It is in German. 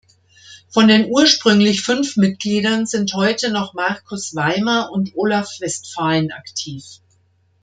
Von den ursprünglich fünf Mitgliedern sind heute noch Marcus Weimer und Olav Westphalen aktiv.